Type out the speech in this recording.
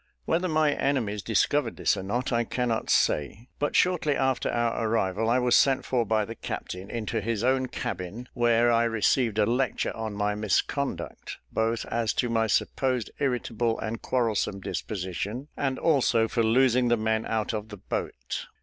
Whether my enemies discovered this or not, I cannot say; but shortly after our arrival I was sent for by the captain into his own cabin, where I received a lecture on my misconduct, both as to my supposed irritable and quarrelsome disposition, and also for losing the men out of the boat.